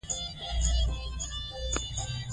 خلک به یې قبر ته درناوی کوي.